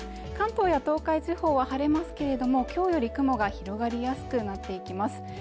関東や東海地方は晴れますけれどもきょうより雲が広がりやすくなっていきます